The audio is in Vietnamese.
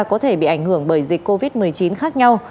có thể bị ảnh hưởng bởi dịch covid một mươi chín khác nhau